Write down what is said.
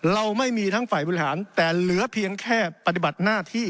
เราไม่มีทั้งฝ่ายบริหารแต่เหลือเพียงแค่ปฏิบัติหน้าที่